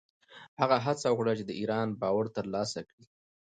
هغه هڅه وکړه چې د ایران باور ترلاسه کړي.